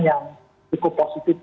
yang cukup positif